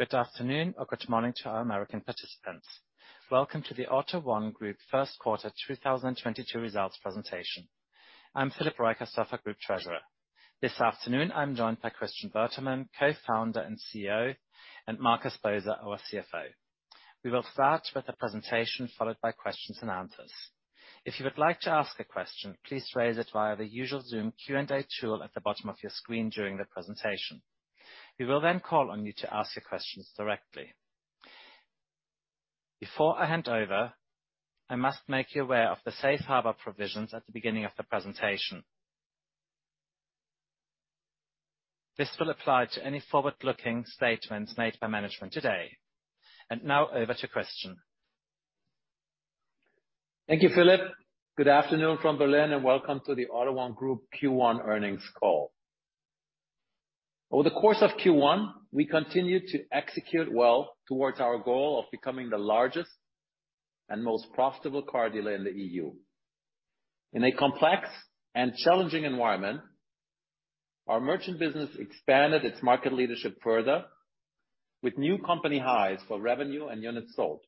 Good afternoon or good morning to our American participants. Welcome to the AUTO1 Group first quarter 2022 results presentation. I'm Philip Reicherstorfer, Group Treasurer. This afternoon, I'm joined by Christian Bertermann, Co-Founder and CEO, and Markus Boser, our CFO. We will start with the presentation, followed by questions and answers. If you would like to ask a question, please raise it via the usual Zoom Q&A tool at the bottom of your screen during the presentation. We will then call on you to ask your questions directly. Before I hand over, I must make you aware of the safe harbor provisions at the beginning of the presentation. This will apply to any forward-looking statements made by management today. Now over to Christian. Thank you, Philip. Good afternoon from Berlin, and welcome to the AUTO1 Group Q1 earnings call. Over the course of Q1, we continued to execute well towards our goal of becoming the largest and most profitable car dealer in the EU. In a complex and challenging environment, our merchant business expanded its market leadership further with new company highs for revenue and units sold,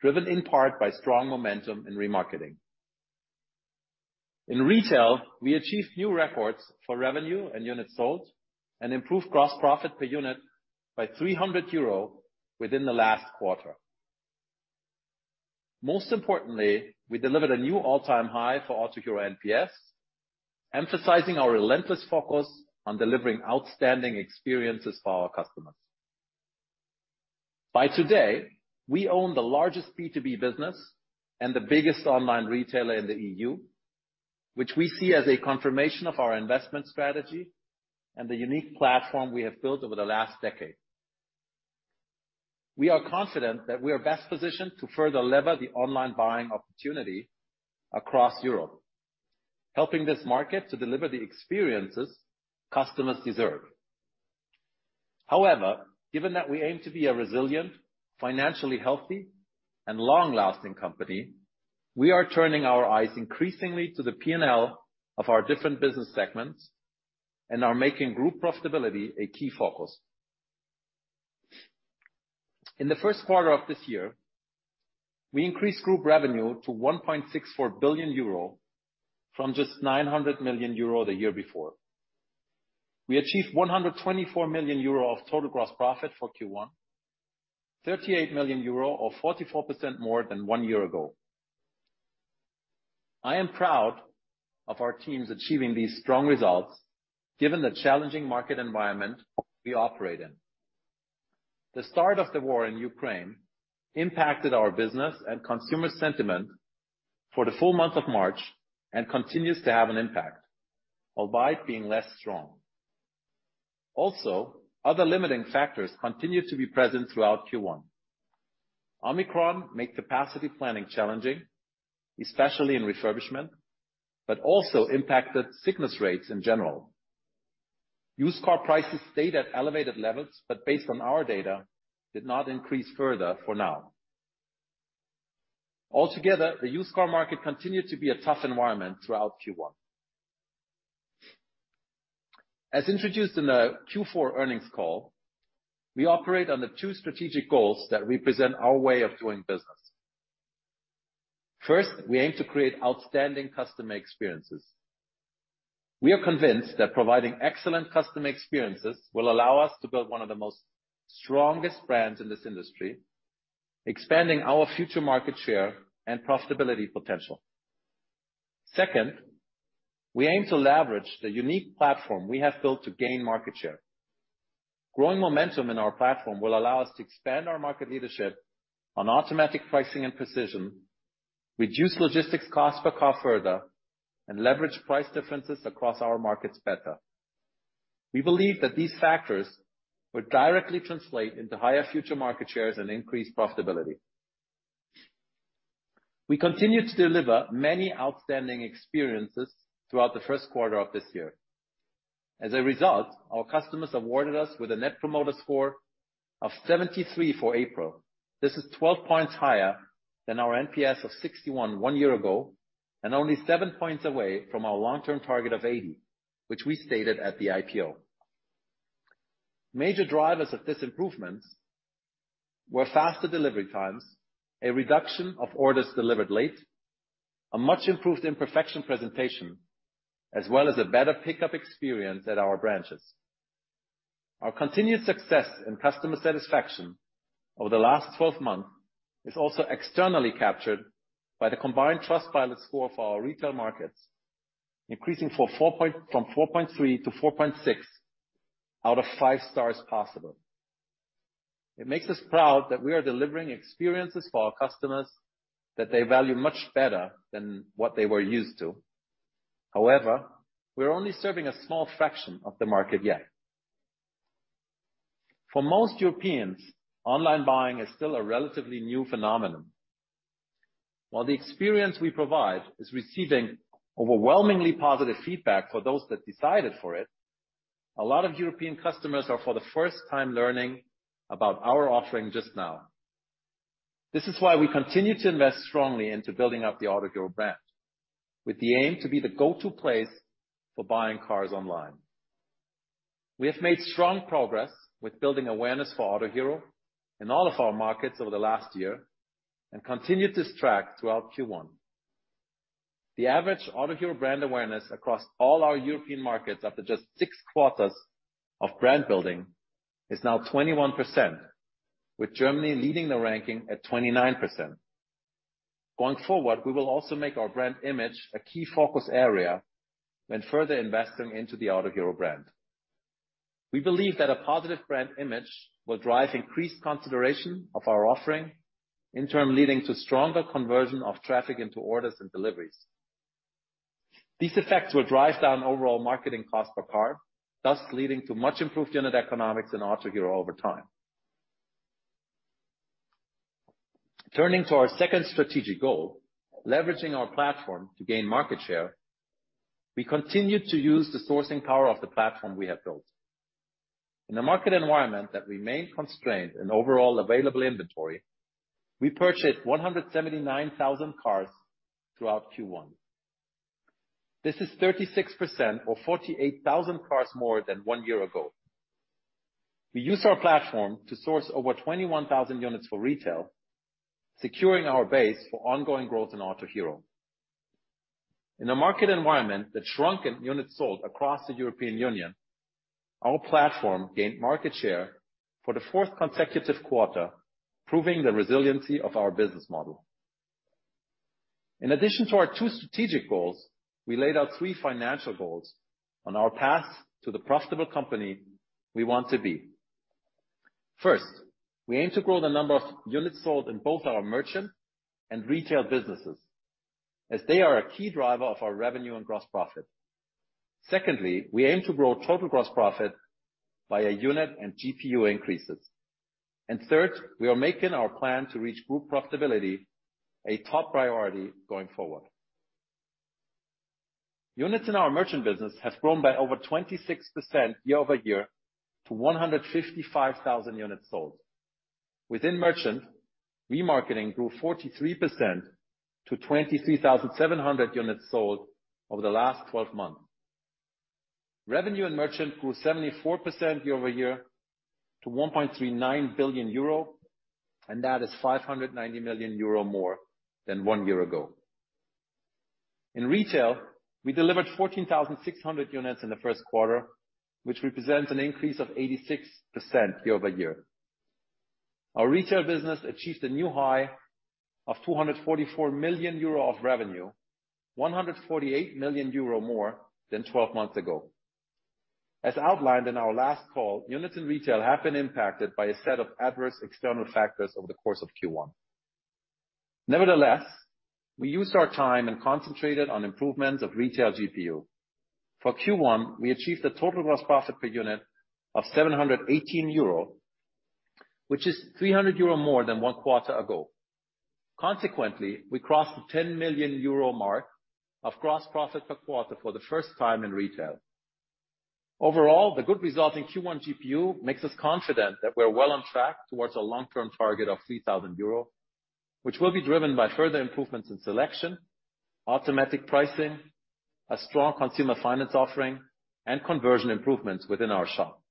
driven in part by strong momentum in remarketing. In retail, we achieved new records for revenue and units sold and improved gross profit per unit by 300 euro within the last quarter. Most importantly, we delivered a new all-time high for Autohero NPS, emphasizing our relentless focus on delivering outstanding experiences for our customers. By today, we own the largest B2B business and the biggest online retailer in the EU, which we see as a confirmation of our investment strategy and the unique platform we have built over the last decade. We are confident that we are best positioned to further leverage the online buying opportunity across Europe, helping this market to deliver the experiences customers deserve. However, given that we aim to be a resilient, financially healthy and long-lasting company, we are turning our eyes increasingly to the P&L of our different business segments and are making group profitability a key focus. In the first quarter of this year, we increased group revenue to 1.64 billion euro from just 900 million euro the year before. We achieved 124 million euro of total gross profit for Q1, 38 million euro or 44% more than one year ago. I am proud of our teams achieving these strong results given the challenging market environment we operate in. The start of the war in Ukraine impacted our business and consumer sentiment for the full month of March and continues to have an impact, albeit being less strong. Also, other limiting factors continue to be present throughout Q1. Omicron made capacity planning challenging, especially in refurbishment, but also impacted sickness rates in general. Used car prices stayed at elevated levels, but based on our data, did not increase further for now. Altogether, the used car market continued to be a tough environment throughout Q1. As introduced in the Q4 earnings call, we operate on the two strategic goals that represent our way of doing business. First, we aim to create outstanding customer experiences. We are convinced that providing excellent customer experiences will allow us to build one of the most strongest brands in this industry, expanding our future market share and profitability potential. Second, we aim to leverage the unique platform we have built to gain market share. Growing momentum in our platform will allow us to expand our market leadership on automatic pricing and precision, reduce logistics cost per car further, and leverage price differences across our markets better. We believe that these factors will directly translate into higher future market shares and increased profitability. We continued to deliver many outstanding experiences throughout the first quarter of this year. As a result, our customers awarded us with a net promoter score of 73 for April. This is 12 points higher than our NPS of 61, one year ago, and only seven points away from our long-term target of 80, which we stated at the IPO. Major drivers of this improvement were faster delivery times, a reduction of orders delivered late, a much improved imperfection presentation, as well as a better pickup experience at our branches. Our continued success in customer satisfaction over the last 12 months is also externally captured by the combined Trustpilot score for our retail markets, increasing from 4.3 to 4.6 out of five stars possible. It makes us proud that we are delivering experiences for our customers that they value much better than what they were used to. However, we're only serving a small fraction of the market yet. For most Europeans, online buying is still a relatively new phenomenon. While the experience we provide is receiving overwhelmingly positive feedback for those that decided for it, a lot of European customers are for the first time learning about our offering just now. This is why we continue to invest strongly into building up the Autohero brand with the aim to be the go-to place for buying cars online. We have made strong progress with building awareness for Autohero in all of our markets over the last year and continued this track throughout Q1. The average Autohero brand awareness across all our European markets after just six quarters of brand building is now 21%, with Germany leading the ranking at 29%. Going forward, we will also make our brand image a key focus area and further investing into the Autohero brand. We believe that a positive brand image will drive increased consideration of our offering, in turn, leading to stronger conversion of traffic into orders and deliveries. These effects will drive down overall marketing cost per car, thus leading to much improved unit economics in Autohero over time. Turning to our second strategic goal, leveraging our platform to gain market share, we continue to use the sourcing power of the platform we have built. In a market environment that remains constrained in overall available inventory, we purchased 179,000 cars throughout Q1. This is 36% or 48,000 cars more than one year ago. We used our platform to source over 21,000 units for retail, securing our base for ongoing growth in Autohero. In a market environment that shrunken units sold across the European Union, our platform gained market share for the fourth consecutive quarter, proving the resiliency of our business model. In addition to our two strategic goals, we laid out three financial goals on our path to the profitable company we want to be. First, we aim to grow the number of units sold in both our merchant and retail businesses as they are a key driver of our revenue and gross profit. Secondly, we aim to grow total gross profit by a unit and GPU increases. Third, we are making our plan to reach group profitability a top priority going forward. Units in our merchant business have grown by over 26% year-over-year to 155,000 units sold. Within Merchant, remarketing grew 43% to 23,700 units sold over the last 12 months. Revenue and Merchant grew 74% year-over-year to 1.39 billion euro, and that is 590 million euro more than one year ago. In Retail, we delivered 14,600 units in the first quarter, which represents an increase of 86% year-over-year. Our Retail business achieved a new high of 244 million euro of revenue, 148 million euro more than 12 months ago. As outlined in our last call, units in Retail have been impacted by a set of adverse external factors over the course of Q1. Nevertheless, we used our time and concentrated on improvements of Retail GPU. For Q1, we achieved a total gross profit per unit of 718 euro, which is 300 euro more than one quarter ago. Consequently, we crossed the 10 million euro mark of gross profit per quarter for the first time in retail. Overall, the good result in Q1 GPU makes us confident that we're well on track towards our long-term target of 3,000 euro, which will be driven by further improvements in selection, automatic pricing, a strong consumer finance offering, and conversion improvements within our shop.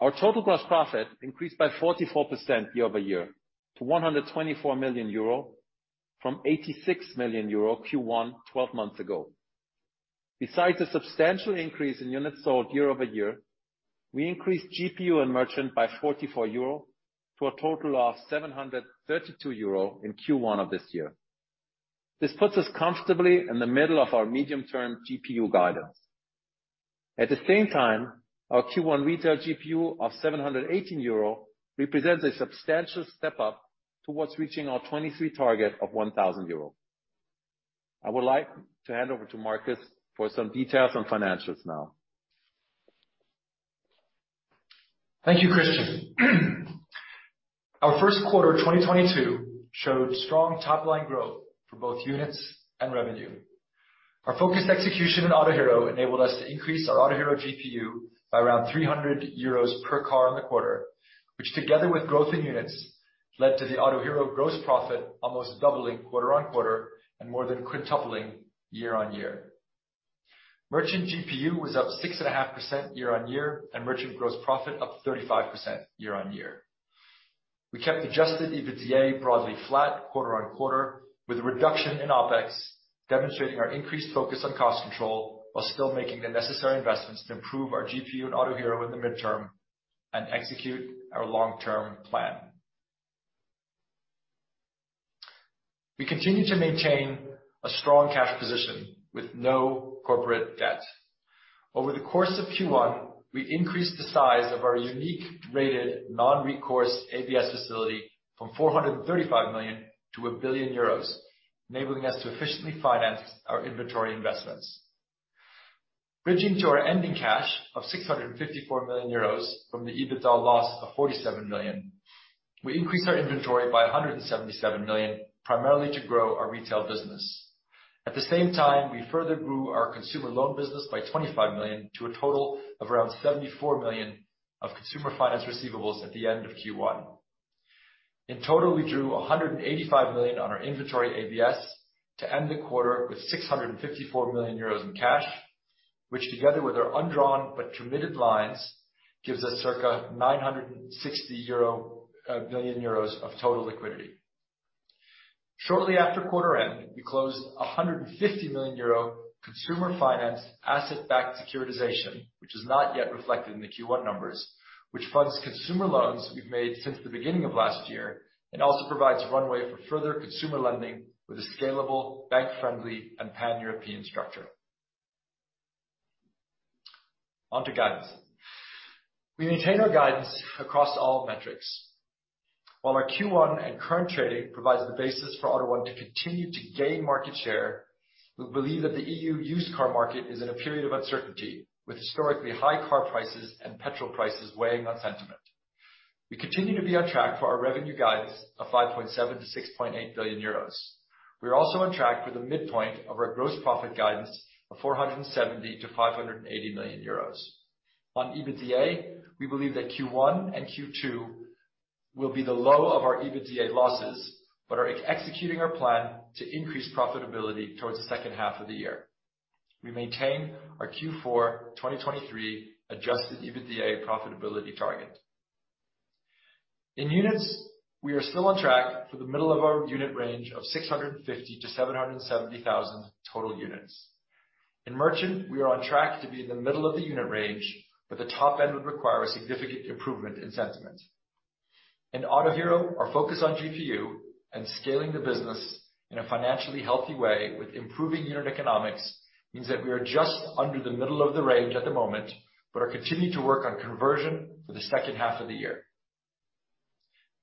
Our total gross profit increased by 44% year-over-year to 124 million euro from 86 million euro Q1 12 months ago. Besides a substantial increase in units sold year-over-year, we increased GPU in merchant by 44 euro to a total of 732 euro in Q1 of this year. This puts us comfortably in the middle of our medium-term GPU guidance. At the same time, our Q1 retail GPU of 718 euro represents a substantial step up towards reaching our 2023 target of 1,000 euro. I would like to hand over to Markus for some details on financials now. Thank you, Christian. Our first quarter of 2022 showed strong top-line growth for both units and revenue. Our focused execution in Autohero enabled us to increase our Autohero GPU by around 300 euros per car in the quarter, which together with growth in units led to the Autohero gross profit almost doubling quarter-on-quarter and more than quintupling year-on-year. Merchant GPU was up 6.5% year-on-year, and merchant gross profit up 35% year-on-year. We kept adjusted EBITDA broadly flat quarter-on-quarter with a reduction in OpEx, demonstrating our increased focus on cost control while still making the necessary investments to improve our GPU and Autohero in the mid-term and execute our long-term plan. We continue to maintain a strong cash position with no corporate debt. Over the course of Q1, we increased the size of our unique rated non-recourse ABS facility from 435 million to 1 billion euros, enabling us to efficiently finance our inventory investments. Bridging to our ending cash of 654 million euros from the EBITDA loss of 47 million, we increased our inventory by 177 million, primarily to grow our retail business. At the same time, we further grew our consumer loan business by 25 million to a total of around 74 million of consumer finance receivables at the end of Q1. In total, we drew 185 million on our inventory ABS to end the quarter with 654 million euros in cash, which together with our undrawn but committed lines, gives us circa 960 million euro of total liquidity. Shortly after quarter end, we closed 150 million euro consumer finance asset-backed securitization, which is not yet reflected in the Q1 numbers, which funds consumer loans we've made since the beginning of last year and also provides runway for further consumer lending with a scalable, bank-friendly, and Pan-European structure. On to guidance. We maintain our guidance across all metrics. While our Q1 and current trading provides the basis for AUTO1 to continue to gain market share, we believe that the EU used car market is in a period of uncertainty, with historically high car prices and petrol prices weighing on sentiment. We continue to be on track for our revenue guidance of 5.7 billion-6.8 billion euros. We are also on track for the midpoint of our gross profit guidance of 470 million-580 million euros. On EBITDA, we believe that Q1 and Q2 will be the low of our EBITDA losses, but are executing our plan to increase profitability towards the second half of the year. We maintain our Q4 2023 adjusted EBITDA profitability target. In units, we are still on track for the middle of our unit range of 650-770,000 total units. In merchant, we are on track to be in the middle of the unit range, but the top end would require a significant improvement in sentiment. In Autohero, our focus on GPU and scaling the business in a financially healthy way with improving unit economics means that we are just under the middle of the range at the moment, but are continuing to work on conversion for the second half of the year.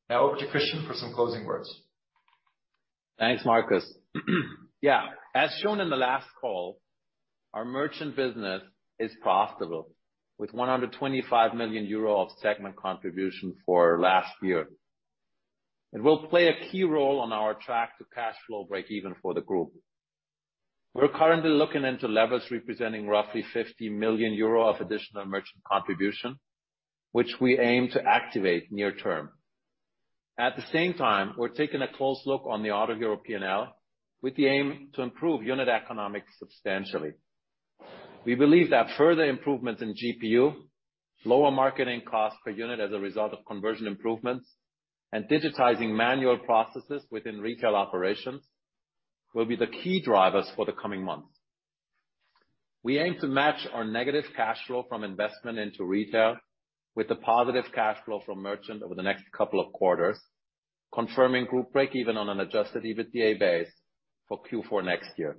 Now over to Christian for some closing words. Thanks, Markus. Yeah. As shown in the last call, our merchant business is profitable, with 125 million euro of segment contribution for last year. It will play a key role on our track to cash flow breakeven for the group. We're currently looking into levers representing roughly 50 million euro of additional merchant contribution, which we aim to activate near term. At the same time, we're taking a close look on the Autohero P&L with the aim to improve unit economics substantially. We believe that further improvements in GPU, lower marketing costs per unit as a result of conversion improvements, and digitizing manual processes within retail operations will be the key drivers for the coming months. We aim to match our negative cash flow from investment into retail with the positive cash flow from merchant over the next couple of quarters, confirming group breakeven on an adjusted EBITDA base for Q4 next year.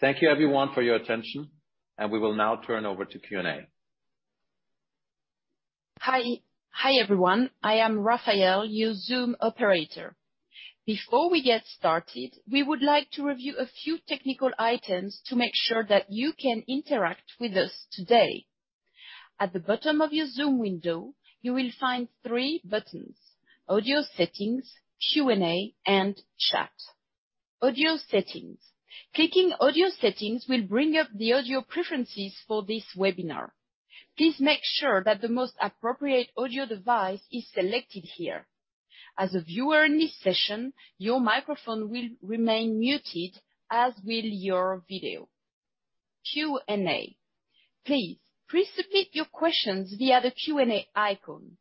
Thank you everyone for your attention, and we will now turn over to Q&A. Hi, everyone. I am Raphael, your Zoom operator. Before we get started, we would like to review a few technical items to make sure that you can interact with us today. At the bottom of your Zoom window, you will find three buttons, Audio Settings, Q&A, and Chat. Audio Settings. Clicking Audio Settings will bring up the audio preferences for this webinar. Please make sure that the most appropriate audio device is selected here. As a viewer in this session, your microphone will remain muted, as will your video. Q&A. Please participate your questions via the Q&A icon.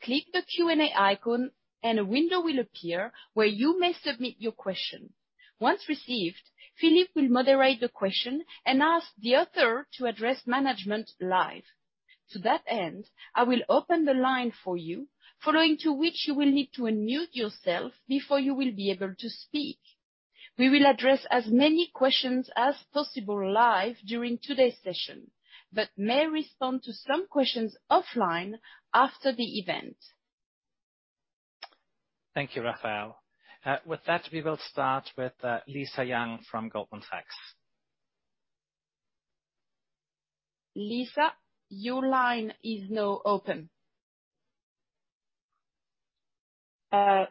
Click the Q&A icon and a window will appear where you may submit your question. Once received, Philip will moderate the question and ask the author to address management live. To that end, I will open the line for you, following which you will need to unmute yourself before you will be able to speak. We will address as many questions as possible live during today's session, but may respond to some questions offline after the event. Thank you, Raphael. With that, we will start with Lisa Yang from Goldman Sachs. Lisa, your line is now open. Hi.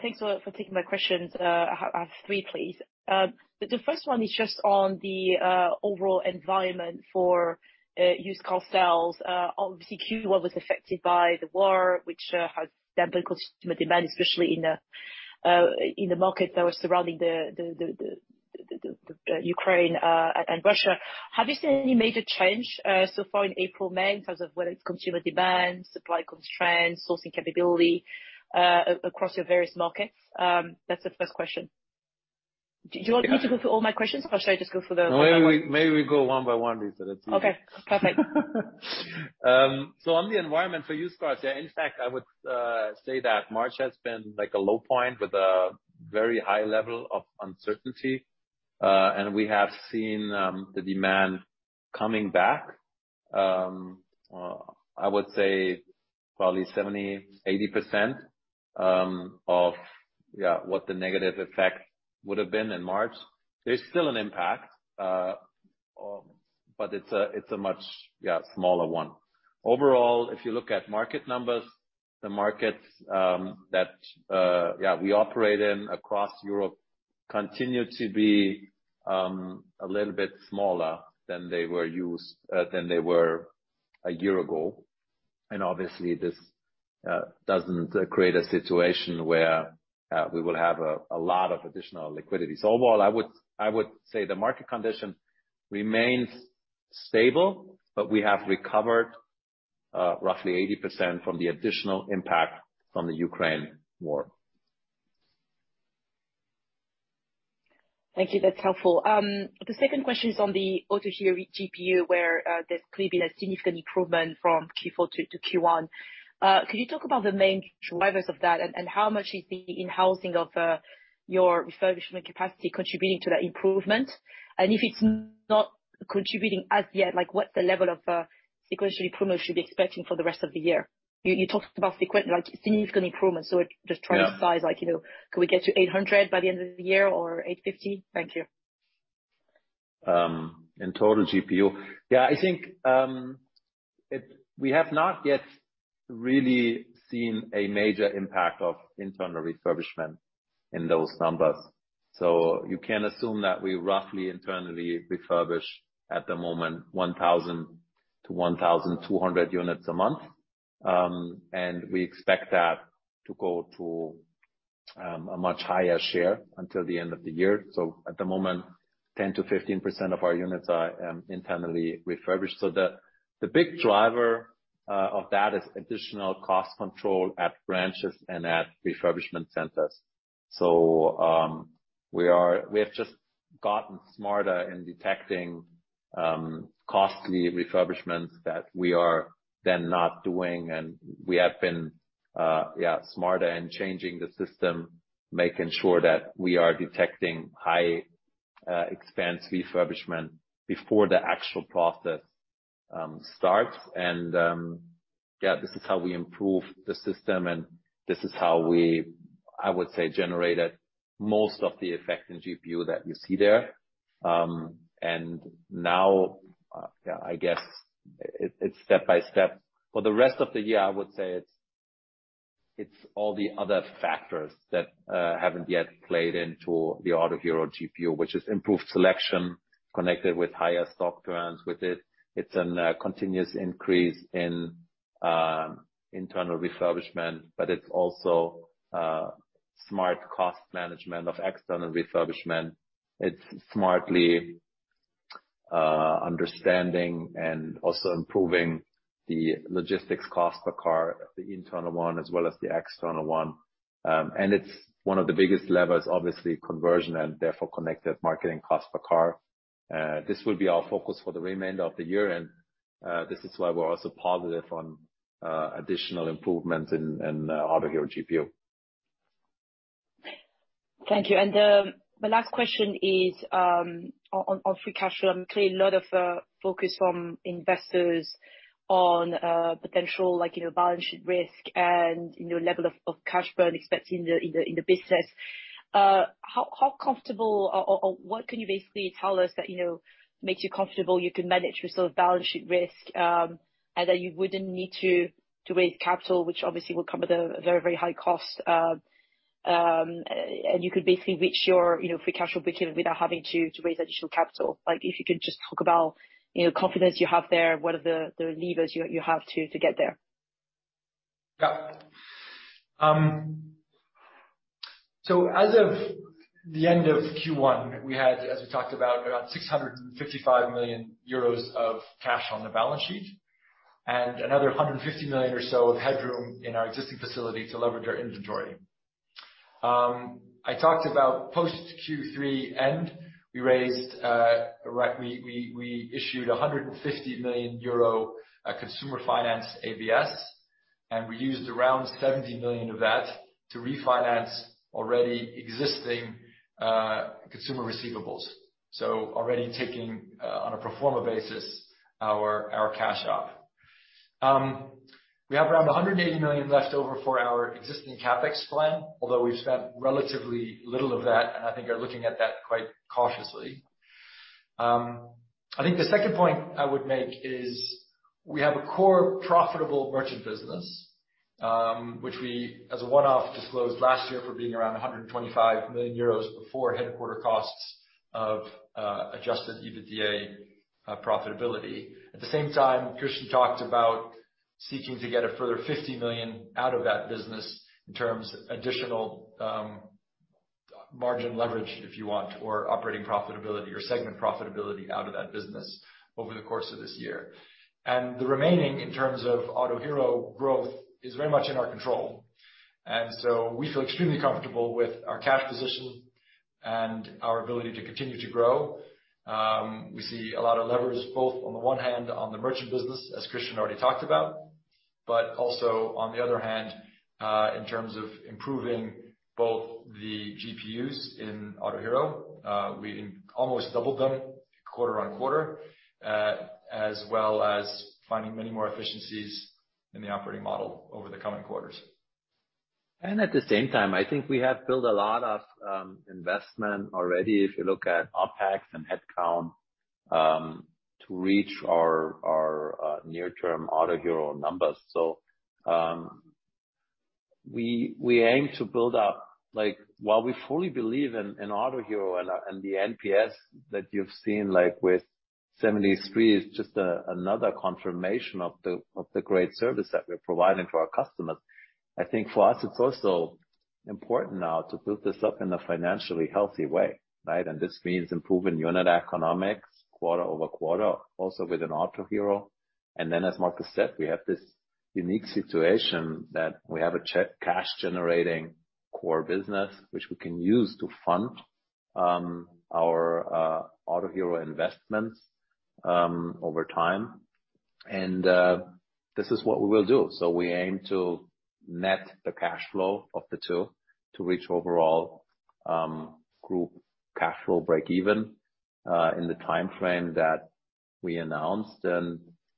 Thanks for taking my questions. I have three, please. The first one is just on the overall environment for used car sales. Obviously, Q1 was affected by the war, which has dampened consumer demand, especially in the markets that were surrounding the Ukraine and Russia. Have you seen any major change so far in April, May, in terms of whether it's consumer demand, supply constraints, sourcing capability across your various markets? That's the first question. Do you want me to go through all my questions, or should I just go for the first one? Maybe we go one by one, Lisa. That's easier. Okay, perfect. On the environment for used cars, yeah, in fact, I would say that March has been like a low point with a very high level of uncertainty. We have seen the demand coming back. I would say probably 70%-80% of what the negative effect would've been in March. There's still an impact, but it's a much smaller one. Overall, if you look at market numbers, the markets that we operate in across Europe continue to be a little bit smaller than they were a year ago. Obviously, this doesn't create a situation where we will have a lot of additional liquidity. Overall, I would say the market condition remains stable, but we have recovered roughly 80% from the additional impact from the Ukraine war. Thank you. That's helpful. The second question is on the Autohero GPU, where there could be a significant improvement from Q4 to Q1. Could you talk about the main drivers of that and how much is the in-housing of your refurbishment capacity contributing to that improvement? And if it's not contributing as yet, like what's the level of sequential improvement should be expecting for the rest of the year? You talked about like significant improvement, so just trying to. Yeah. size, like, you know, can we get to 800 by the end of the year or 850? Thank you. In total GPU. I think we have not yet really seen a major impact of internal refurbishment in those numbers. You can assume that we roughly internally refurbish at the moment 1,000 to 1,200 units a month. We expect that to go to a much higher share until the end of the year. At the moment, 10%-15% of our units are internally refurbished. The big driver of that is additional cost control at branches and at refurbishment centers. We have just gotten smarter in detecting costly refurbishments that we are then not doing, and we have been smarter in changing the system, making sure that we are detecting high expense refurbishment before the actual process starts. Yeah, this is how we improve the system and this is how we, I would say, generated most of the effect in GPU that you see there. Now, I guess it's step by step. For the rest of the year, I would say it's all the other factors that haven't yet played into the Autohero GPU, which is improved selection connected with higher stock grants with it. It's a continuous increase in internal refurbishment, but it's also smart cost management of external refurbishment. It's smartly understanding and also improving the logistics cost per car, the internal one, as well as the external one. It's one of the biggest levers, obviously, conversion and therefore connected marketing cost per car. This will be our focus for the remainder of the year, and this is why we're also positive on additional improvements in Autohero GPU. Thank you. My last question is on free cash flow. Clearly a lot of focus from investors on potential like, you know, balance sheet risk and, you know, level of cash burn expecting in the business. How comfortable or what can you basically tell us that, you know, makes you comfortable you can manage the sort of balance sheet risk, and that you wouldn't need to raise capital, which obviously will come with a very high cost, and you could basically reach your, you know, free cash flow breakeven without having to raise additional capital? Like if you could just talk about, you know, confidence you have there, what are the levers you have to get there? Yeah. As of the end of Q1, we had, as we talked about 655 million euros of cash on the balance sheet and another 150 million or so of headroom in our existing facility to leverage our inventory. I talked about post Q3 end, we raised, right, we issued a 150 million euro consumer finance ABS, and we used around 70 million of that to refinance already existing consumer receivables. Already taking on a pro forma basis, our cash up. We have around a 180 million left over for our existing CapEx plan, although we've spent relatively little of that and I think are looking at that quite cautiously. I think the second point I would make is we have a core profitable merchant business, which we, as a one-off, disclosed last year for being around 125 million euros before headquarters costs of adjusted EBITDA profitability. At the same time, Christian talked about seeking to get a further 50 million out of that business in terms of additional margin leverage, if you want, or operating profitability or segment profitability out of that business over the course of this year. The remaining, in terms of Autohero growth, is very much in our control. We feel extremely comfortable with our cash position and our ability to continue to grow. We see a lot of levers both on the one hand on the merchant business, as Christian already talked about. Also on the other hand, in terms of improving both the GPUs in Autohero, we almost doubled them quarter-over-quarter, as well as finding many more efficiencies in the operating model over the coming quarters. At the same time, I think we have built a lot of investment already, if you look at OpEx and headcount, to reach our near term Autohero numbers. We aim to build up. Like, while we fully believe in Autohero and the NPS that you've seen, like with 73 is just another confirmation of the great service that we're providing for our customers. I think for us it's also important now to build this up in a financially healthy way, right? This means improving unit economics quarter-over-quarter, also within Autohero. As Markus said, we have this unique situation that we have a cash generating core business, which we can use to fund our Autohero investments over time. This is what we will do. We aim to net the cash flow of the two to reach overall group cash flow break even in the timeframe that we announced.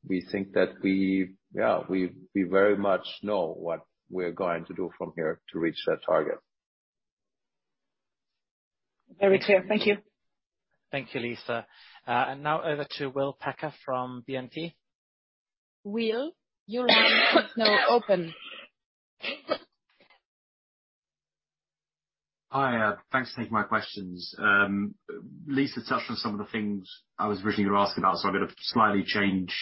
We think that we very much know what we're going to do from here to reach that target. Very clear. Thank you. Thank you, Lisa. Now over to Will Packer from BNP. Will, your line is now open. Hi, thanks for taking my questions. Lisa touched on some of the things I was originally gonna ask about, so I'm gonna slightly change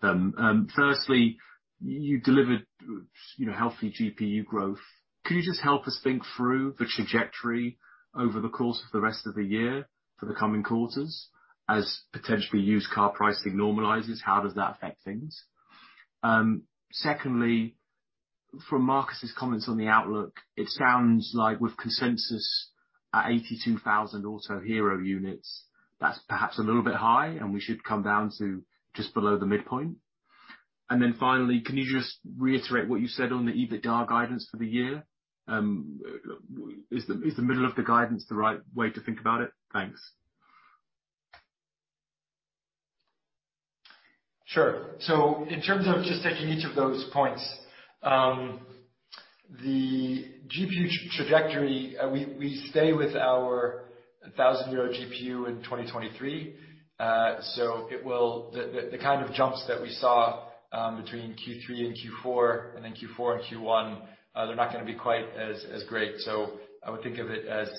them. Firstly, you delivered, you know, healthy GPU growth. Could you just help us think through the trajectory over the course of the rest of the year for the coming quarters, as potentially used car pricing normalizes, how does that affect things? Secondly, from Markus's comments on the outlook, it sounds like with consensus at 82,000 Autohero units, that's perhaps a little bit high, and we should come down to just below the midpoint. Finally, can you just reiterate what you said on the EBITDA guidance for the year? Is the middle of the guidance the right way to think about it? Thanks. Sure. In terms of just taking each of those points, the GPU trajectory, we stay with our 1,000 GPU in 2023. The kind of jumps that we saw between Q3 and Q4, and then Q4 and Q1, they're not gonna be quite as great. I would think of it as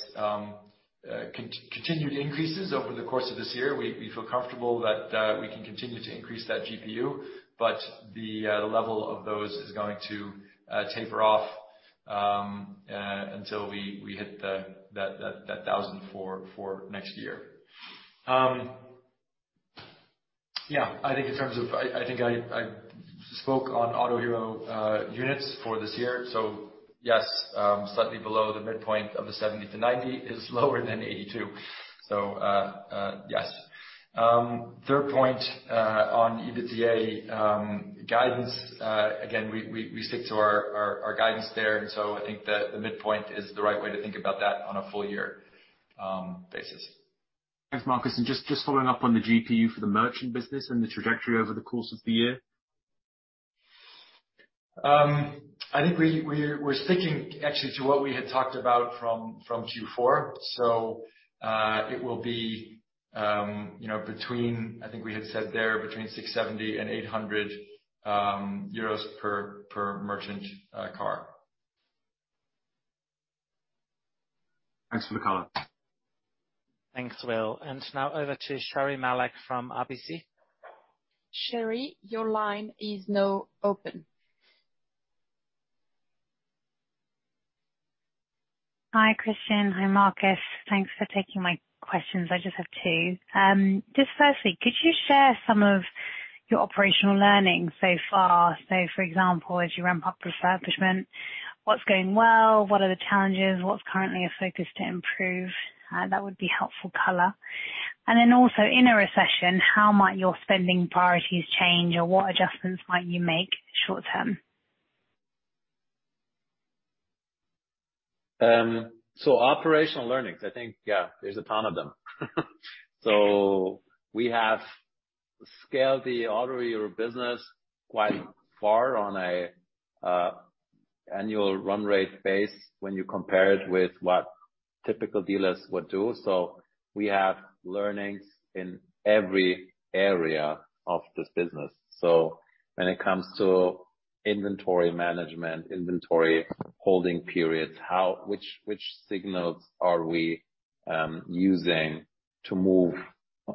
continued increases over the course of this year. We feel comfortable that we can continue to increase that GPU, but the level of those is going to taper off until we hit that 1,000 for next year. I think I spoke on Autohero units for this year. Yes, slightly below the midpoint of the 70-90 is lower than 82. Yes. Third point, on EBITDA guidance, again, we stick to our guidance there. I think the midpoint is the right way to think about that on a full year basis. Thanks, Markus. Just following up on the GPU for the merchant business and the trajectory over the course of the year. I think we're sticking actually to what we had talked about from Q4. It will be, you know, between, I think we had said there between 670 and 800 euros per merchant car. Thanks for the color. Thanks, Will. Now over to Sherri Malek from RBC. Sherry, your line is now open. Hi, Christian. Hi, Markus. Thanks for taking my questions. I just have two. Just firstly, could you share some of your operational learnings so far? Say, for example, as you ramp up refurbishment, what's going well? What are the challenges? What's currently a focus to improve? That would be helpful color. Then also, in a recession, how might your spending priorities change, or what adjustments might you make short term? Operational learnings, I think, yeah, there's a ton of them. We have scaled the Autohero business quite far on a annual run rate base when you compare it with what typical dealers would do. We have learnings in every area of this business. When it comes to inventory management, inventory holding periods, how which signals are we using to move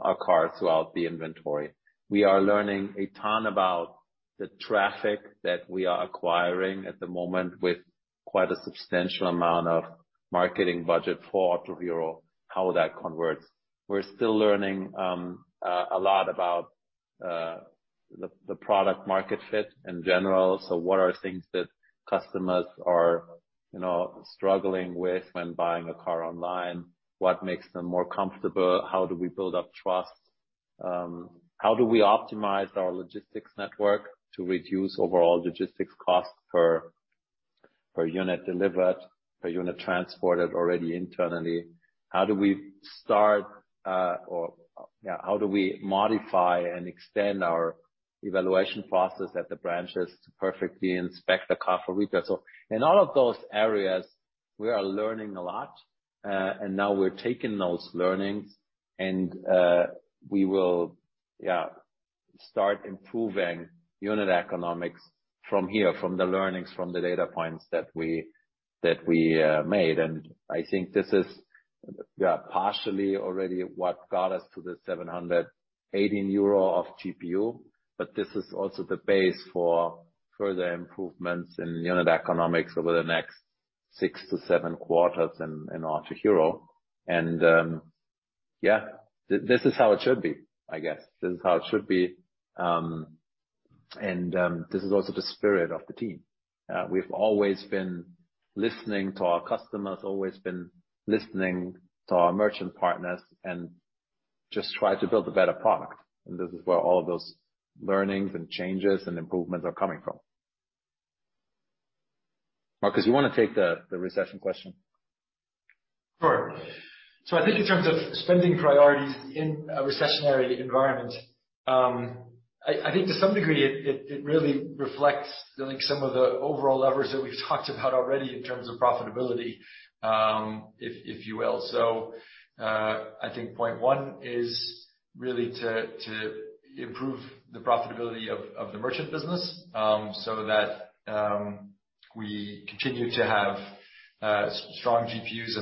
our cars throughout the inventory? We are learning a ton about the traffic that we are acquiring at the moment with quite a substantial amount of marketing budget for Autohero, how that converts. We're still learning a lot about the product market fit in general. What are things that customers are, you know, struggling with when buying a car online? What makes them more comfortable? How do we build up trust? How do we optimize our logistics network to reduce overall logistics costs per unit delivered, per unit transported already internally? How do we modify and extend our evaluation process at the branches to perfectly inspect the car for retail? In all of those areas, we are learning a lot, and now we're taking those learnings and we will start improving unit economics from here, from the learnings, from the data points that we made. I think this is partially already what got us to the 780 euro GPU. This is also the base for further improvements in unit economics over the next six to seven quarters in Autohero. This is how it should be, I guess. This is how it should be. This is also the spirit of the team. We've always been listening to our customers, always been listening to our merchant partners and just try to build a better product. This is where all of those learnings and changes and improvements are coming from. Markus, you wanna take the recession question? Sure. I think in terms of spending priorities in a recessionary environment, I think to some degree it really reflects I think some of the overall levers that we've talked about already in terms of profitability, if you will. I think point one is really to improve the profitability of the merchant business, so that we continue to have strong GPUs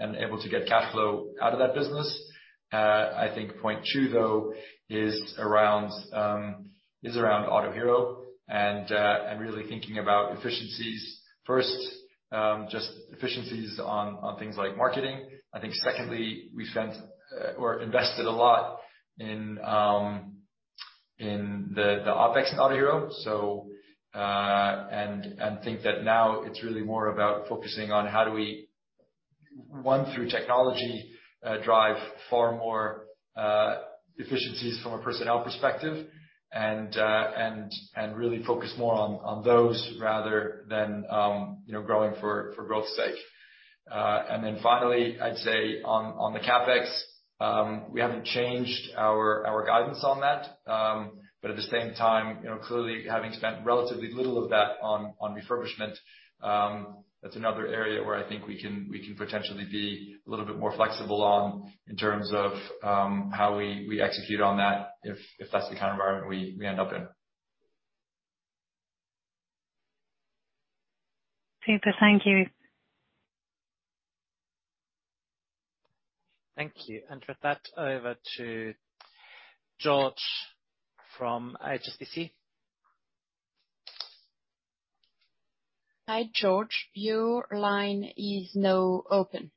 and able to get cash flow out of that business. I think point two though is around Autohero and really thinking about efficiencies first, just efficiencies on things like marketing. I think secondly, we spent or invested a lot in the OpEx in Autohero, so and think that now it's really more about focusing on how do we, one, through technology, drive far more efficiencies from a personnel perspective and really focus more on those rather than you know, growing for growth's sake. Finally, I'd say on the CapEx, we haven't changed our guidance on that. At the same time, you know, clearly having spent relatively little of that on refurbishment, that's another area where I think we can potentially be a little bit more flexible on in terms of how we execute on that if that's the kind of environment we end up in. Super. Thank you. Thank you. With that, over to George from HSBC. Hi, George. Your line is now open.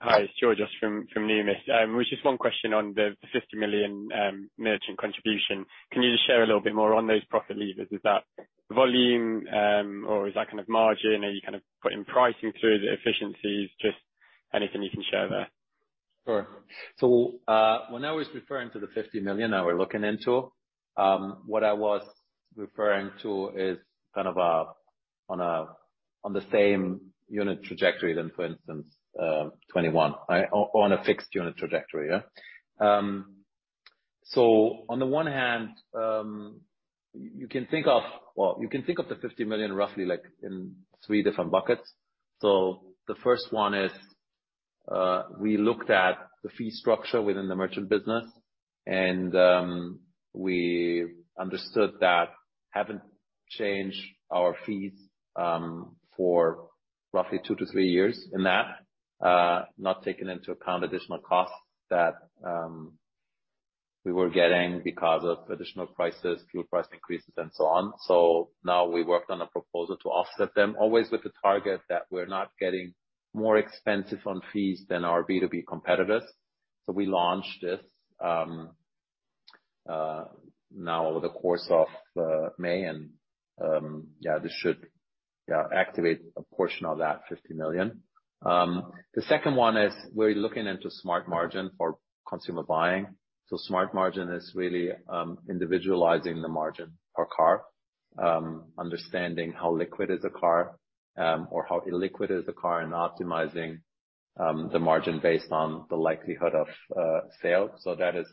Hi. It's George O'Shaughnessy from Numis. Just one question on the 50 million merchant contribution. Can you just share a little bit more on those profit levers? Is that volume or is that kind of margin? Are you kind of putting pricing through the efficiencies? Just anything you can share there. Sure. When I was referring to the 50 million that we're looking into, what I was referring to is kind of on the same unit trajectory as, for instance, 2021. On a fixed unit trajectory, yeah? On the one hand, well, you can think of the 50 million roughly like in three different buckets. The first one is, we looked at the fee structure within the merchant business, and we understood that haven't changed our fees for roughly two to three years in that, not taking into account additional costs that we were getting because of additional prices, fuel price increases and so on. Now we worked on a proposal to offset them, always with the target that we're not getting more expensive on fees than our B2B competitors. We launched this now over the course of May and this should activate a portion of that 50 million. The second one is we're looking into smart margin for consumer buying. Smart margin is really individualizing the margin per car, understanding how liquid is the car or how illiquid is the car and optimizing the margin based on the likelihood of sale. That is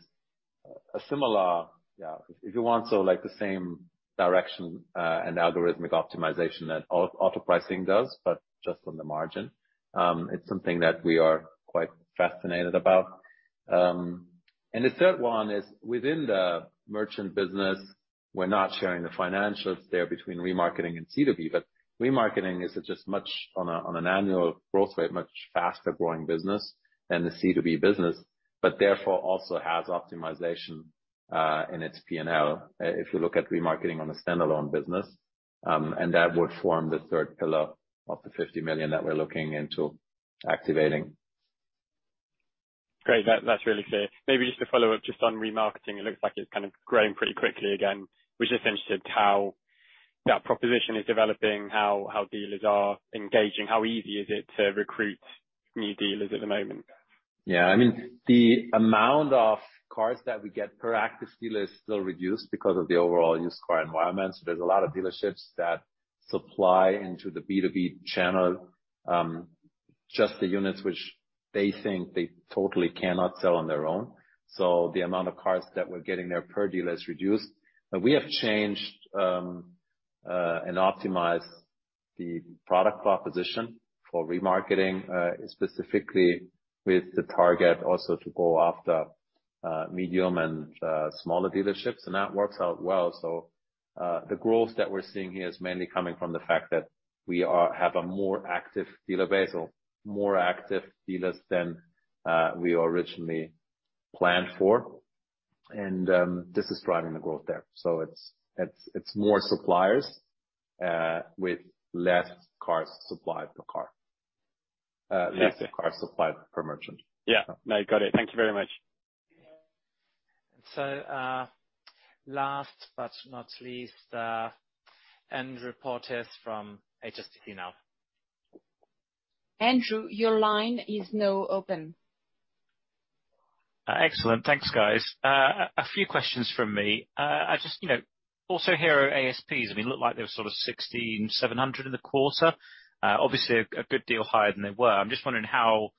a similar, if you want, like the same direction and algorithmic optimization that auto pricing does, but just on the margin. It's something that we are quite fascinated about. The third one is within the merchant business, we're not sharing the financials there between remarketing and C2B, but remarketing is just much on a, on an annual growth rate, much faster growing business than the C2B business, but therefore also has optimization in its P&L, if you look at remarketing on a standalone business, and that would form the third pillar of the 50 million that we're looking into activating. Great. That's really clear. Maybe just to follow up just on remarketing, it looks like it's kind of growing pretty quickly again. Was just interested how that proposition is developing, how dealers are engaging, how easy is it to recruit new dealers at the moment? Yeah, I mean, the amount of cars that we get per active dealer is still reduced because of the overall used car environment. There's a lot of dealerships that supply into the B2B channel, just the units which they think they totally cannot sell on their own. The amount of cars that we're getting there per dealer is reduced. We have changed and optimized the product proposition for remarketing, specifically with the target also to go after medium and smaller dealerships, and that works out well. The growth that we're seeing here is mainly coming from the fact that we have a more active dealer base or more active dealers than we originally planned for. This is driving the growth there. It's more suppliers with less cars supplied per car. Less cars supplied per merchant. Yeah. No, got it. Thank you very much. Last but not least, Andrew Porteous from HSBC now. Andrew, your line is now open. Excellent. Thanks, guys. A few questions from me. I just, you know, I mean, looked like they were sort of 1,670 in the quarter. Obviously a good deal higher than they were. I'm just wondering how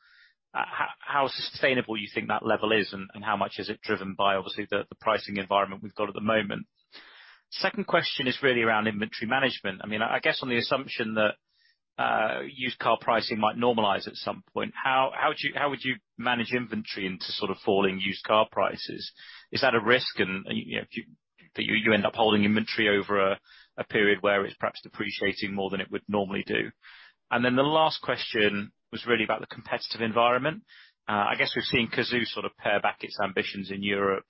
sustainable you think that level is and how much is it driven by obviously the pricing environment we've got at the moment. Second question is really around inventory management. I mean, I guess on the assumption that used car pricing might normalize at some point, how would you manage inventory into sort of falling used car prices? Is that a risk and, you know, that you end up holding inventory over a period where it's perhaps depreciating more than it would normally do. Then the last question was really about the competitive environment. I guess we've seen Cazoo sort of pare back its ambitions in Europe.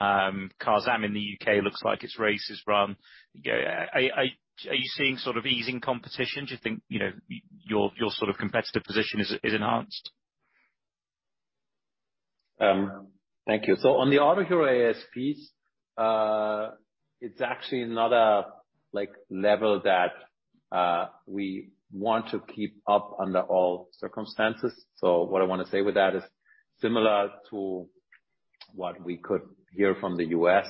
Carzam in the UK looks like its race is run. You know, are you seeing sort of easing competition? Do you think, you know, your sort of competitive position is enhanced? Thank you. On the Autohero ASPs, it's actually not a, like, level that we want to keep up under all circumstances. What I wanna say with that is similar to what we could hear from the U.S.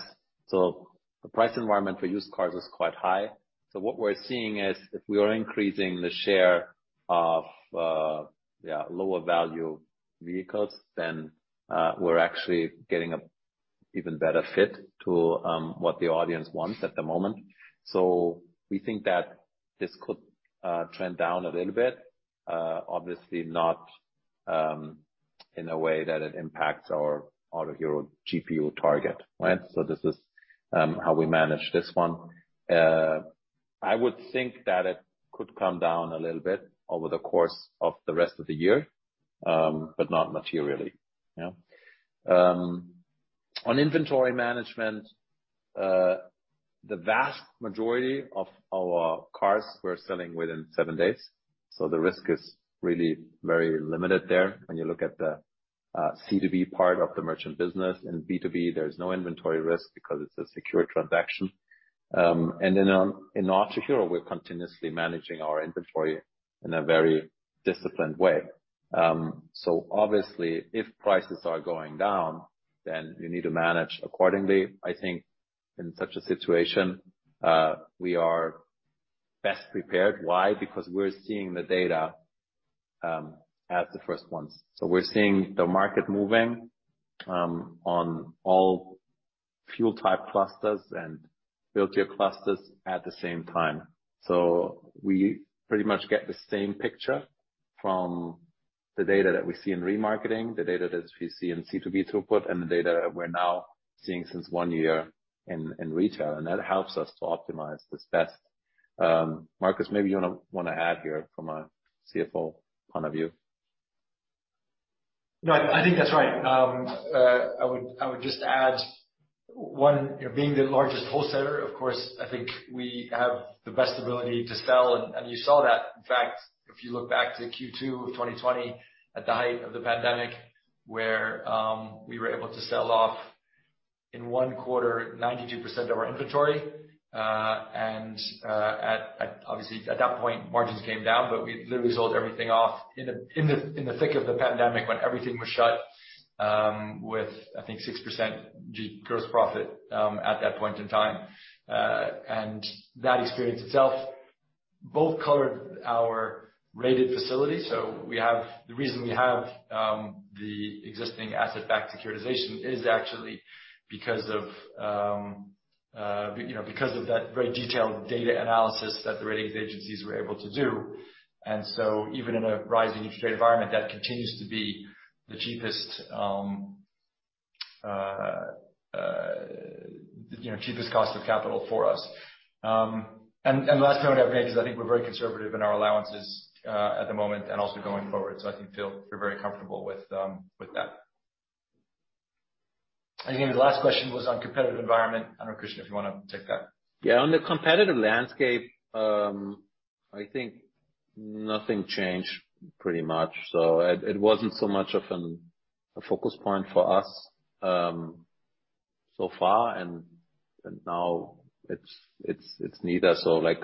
The price environment for used cars is quite high. What we're seeing is if we are increasing the share of, yeah, lower value vehicles, then, we're actually getting a even better fit to what the audience wants at the moment. We think that this could trend down a little bit, obviously not in a way that it impacts our Autohero GPU target, right? This is how we manage this one. I would think that it could come down a little bit over the course of the rest of the year, but not materially. Yeah. On inventory management, the vast majority of our cars we're selling within seven days, so the risk is really very limited there when you look at the C2B part of the merchant business. In B2B, there's no inventory risk because it's a secure transaction. On in Autohero, we're continuously managing our inventory in a very disciplined way. Obviously, if prices are going down, then you need to manage accordingly. I think in such a situation, we are best prepared. Why? Because we're seeing the data as the first ones. We're seeing the market moving on all fuel type clusters and build year clusters at the same time. We pretty much get the same picture from the data that we see in remarketing, the data that we see in C2B throughput, and the data we're now seeing since one year in retail, and that helps us to optimize this best. Markus, maybe you wanna add here from a CFO point of view. No, I think that's right. I would just add one, being the largest wholesaler, of course, I think we have the best ability to sell. You saw that. In fact, if you look back to Q2 of 2020, at the height of the pandemic, where we were able to sell off in one quarter 92% of our inventory, and at obviously at that point, margins came down, but we literally sold everything off in the thick of the pandemic when everything was shut, with I think 6% gross profit at that point in time. That experience itself both colored our rated facility. We have... The reason we have the existing asset-backed securitization is actually because of you know that very detailed data analysis that the ratings agencies were able to do. Even in a rising interest rate environment, that continues to be the cheapest you know cost of capital for us. Last note I would make is I think we're very conservative in our allowances at the moment and also going forward. I think feel we're very comfortable with that. I think the last question was on competitive environment. I don't know, Christian, if you wanna take that. Yeah. On the competitive landscape, I think nothing changed pretty much. It wasn't so much of a focus point for us so far, and now it's neither. Like,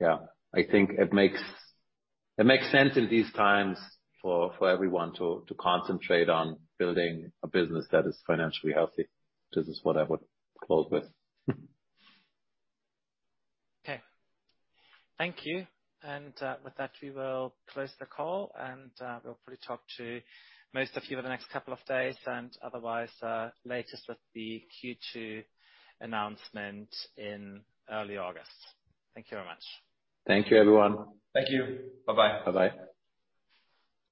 yeah. I think it makes sense in these times for everyone to concentrate on building a business that is financially healthy. This is what I would close with. Okay. Thank you. With that, we will close the call, and we'll probably talk to most of you over the next couple of days. Otherwise, latest with the Q2 announcement in early August. Thank you very much. Thank you, everyone. Thank you. Bye-bye. Bye-bye.